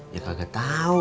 ya kagak tau